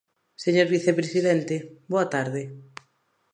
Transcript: Señor vicepresidente, boa tarde.